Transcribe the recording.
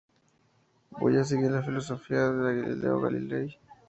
Voy a seguir la filosofía de Galileo Galilei.